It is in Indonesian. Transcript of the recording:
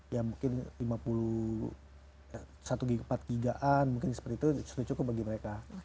ya mungkin lima puluh satu gb empat gb an mungkin seperti itu cukup bagi mereka